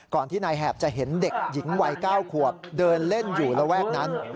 ที่นายแหบจะเห็นเด็กหญิงวัย๙ขวบเดินเล่นอยู่ระแวกนั้น